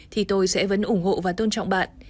thì tôi sẽ vẫn ủng hộ và tôn trọng bạn